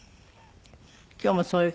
今日もそういう感じ？